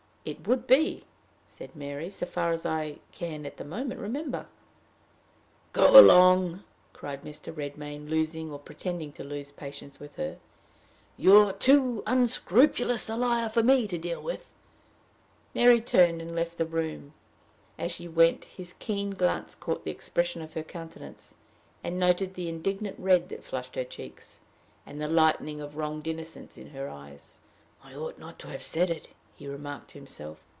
"It would be," said Mary, "so far as I can, at the moment, remember." "Go along," cried Mr. Redmain, losing, or pretending to lose, patience with her; "you are too unscrupulous a liar for me to deal with." Mary turned and left the room. As she went, his keen glance caught the expression of her countenance, and noted the indignant red that flushed her cheeks, and the lightning of wronged innocence in her eyes. "I ought not to have said it," he remarked to himself.